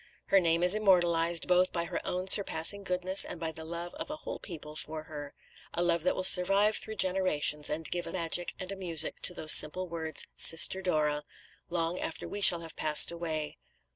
Her name is immortalised, both by her own surpassing goodness, and by the love of a whole people for her a love that will survive through generations, and give a magic and a music to those simple words, "Sister Dora," long after we shall have passed away.